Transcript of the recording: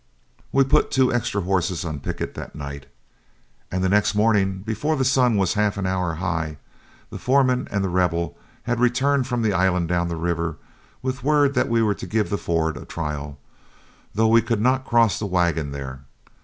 We put two extra horses on picket that night, and the next morning, before the sun was half an hour high, the foreman and The Rebel had returned from the island down the river with word that we were to give the ford a trial, though we could not cross the wagon there.